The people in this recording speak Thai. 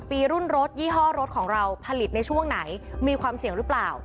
ปีรุ่นรถยี่ห้อรถของเราผลิตในช่วงไหนมีความเสี่ยงหรือเปล่า